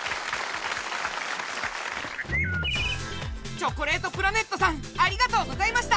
チョコレートプラネットさんありがとうございました！